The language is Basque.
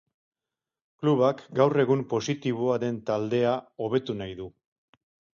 Klubak gaur egun positiboa den taldea hobetu nahi du.